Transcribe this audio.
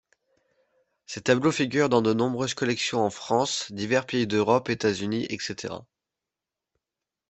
Ses tableaux figurent dans de nombreuses collections en France, divers pays d'Europe, États-Unis, etc.